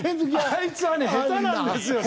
あいつはね下手なんですよ。